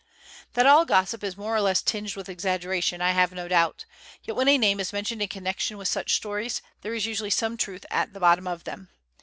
That all gossip is more or less tinged with exaggeration I have no doubt, yet when a name is mentioned in connection with such stories, there is usually some truth at the bottom of them.